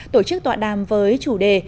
tổ chức tọa đàm với chủ đề